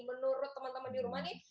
menurut teman teman di rumah nih